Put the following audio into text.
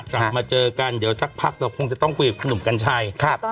กลับมาเจอกันเดี๋ยวสักพักเราคงจะต้องคุยกับคุณหนุ่มกัญชัย